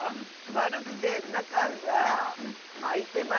まるくてなかがあいてます。